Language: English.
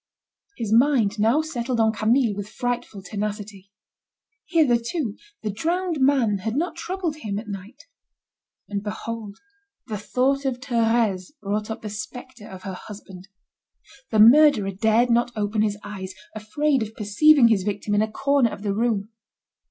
His mind now settled on Camille with frightful tenacity. Hitherto the drowned man had not troubled him at night. And behold the thought of Thérèse brought up the spectre of her husband. The murderer dared not open his eyes, afraid of perceiving his victim in a corner of the room.